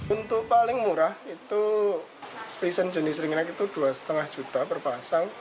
untuk paling murah itu fashion jenis ring naik itu dua lima juta per pasang